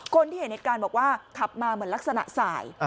คนที่เห็นเหตุการณ์บอกว่าขับมาเหมือนลักษณะสาย